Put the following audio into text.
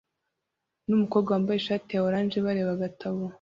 numukobwa wambaye ishati ya orange bareba agatabo